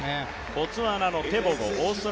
ボツワナのテボゴ。